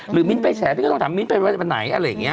หรือมิ้นไปแชร์พี่ก็ต้องถามมิ้นไปไหนวันไหนอะไรอย่างเงี้ย